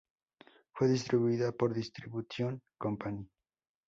Fue distribuida por Distribution Company.